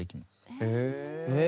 へえ！